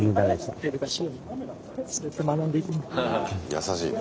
優しいね。